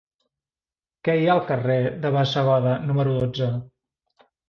Què hi ha al carrer de Bassegoda número dotze?